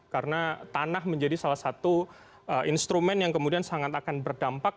karena tanah menjadi salah satu instrumen yang kemudian sangat akan berdampak